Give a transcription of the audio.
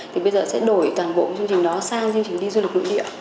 thì bây giờ sẽ đổi toàn bộ chương trình đó sang chương trình đi du lịch nội địa